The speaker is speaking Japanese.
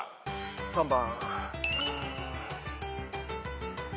３番。